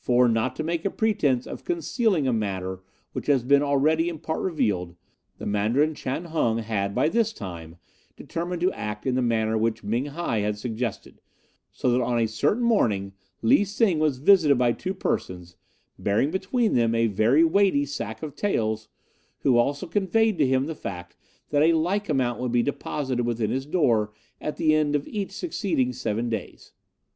For, not to make a pretence of concealing a matter which has been already in part revealed, the Mandarin Chan Hung had by this time determined to act in the manner which Ming hi had suggested; so that on a certain morning Lee Sing was visited by two persons, bearing between them a very weighty sack of taels, who also conveyed to him the fact that a like amount would be deposited within his door at the end of each succeeding seven days.